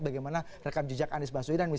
bagaimana rekam jejak anies baswedan